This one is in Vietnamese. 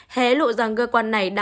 hé lộ rằng gợi quan này đáng chú ý